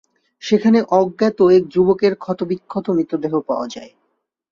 সেখানে অজ্ঞাত এক যুবকের ক্ষতবিক্ষত মৃতদেহ পাওয়া যায়।